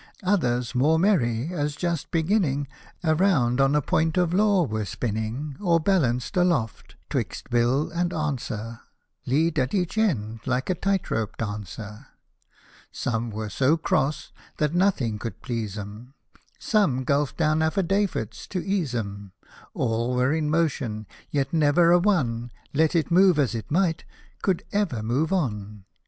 Others, more merry, as just beginning. Around on 2l poi?it of law were spinning Hosted by Google A VISION 205 Or balanced aloft, 'twixt Bill and Answer^ Lead at each end, like a tight rope dancer. Some were so cross^ that nothing could please 'em ;— Some gulphed down affidavits to ease 'em ;— All were in motion, yet never a one, Let it move as it might, could ever move on.